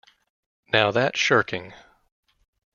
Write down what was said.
Now, that's shirking.